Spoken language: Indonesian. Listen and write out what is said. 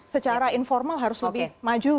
secara informal harus lebih maju